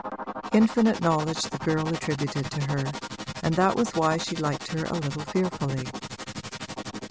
Infinite knowledge the girl attributed to her, and that was why she liked her a little fearfully.